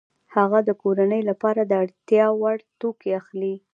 هغه د کورنۍ لپاره د اړتیا وړ توکي اخلي